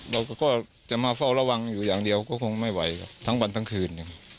เราก็จะมาเฝ้าระวังอยู่อย่างเดียวก็คงไม่ไหวครับทั้งวันทั้งคืน